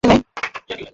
তুমি সোজা তো?